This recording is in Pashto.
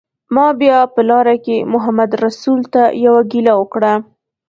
ما بیا په لاره کې محمدرسول ته یوه ګیله وکړه.